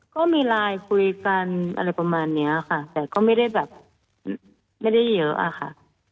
ก็มีไลน์คุยกันอะไรประมาณนี้ค่ะแต่ก็ไม่ได้แบบไม่ได้เยอะอะค่ะ